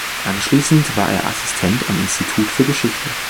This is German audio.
Anschließend war er Assistent am Institut für Geschichte.